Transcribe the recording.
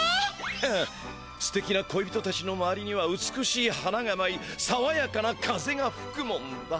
フフッすてきな恋人たちのまわりには美しい花がまいさわやかな風がふくもんだ。